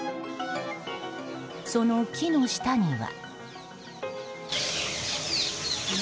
その木の下には。